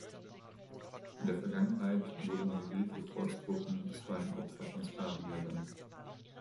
In der Vergangenheit wurden Negrito-Volksgruppen bisweilen Opfer von Sklavenjägern.